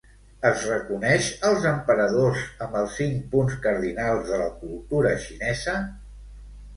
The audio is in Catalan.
Es reconeix als emperadors amb els cinc punts cardinals de la cultura xinesa?